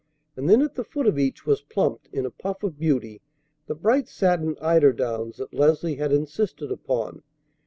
And then at the foot of each was plumped, in a puff of beauty, the bright satin eiderdowns that Leslie had insisted upon.